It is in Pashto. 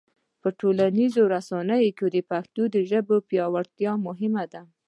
په ټولنیزو رسنیو کې د پښتو ژبې پیاوړتیا مهمه ده.